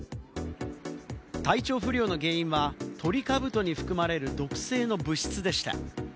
体調不良の原因はトリカブトに含まれる毒性の物質でした。